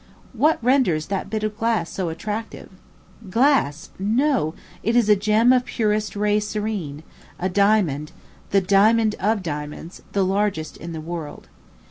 What renders that bit of glass so attractive? Glass! no; it is "a gem of purest ray serene" a diamond the diamond of diamonds the largest in the world.